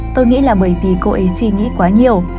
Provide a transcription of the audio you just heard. tôi nghĩ là bởi vì cô ấy suy nghĩ quá nhiều